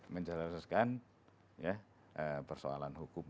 mencerahkan persoalan hukum